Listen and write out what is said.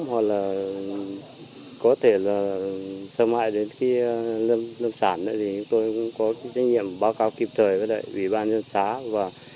hoặc có thể là sơ mại đến lâm sản chúng tôi cũng có trách nhiệm báo cáo kịp thời với vị ban dân xã